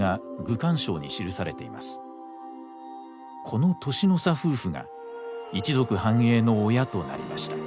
この年の差夫婦が一族繁栄の親となりました。